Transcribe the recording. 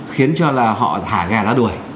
khiến cho là họ thả gà ra đuổi